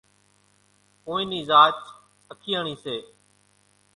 ڪونئين نِي زاچ اکياڻِي سي۔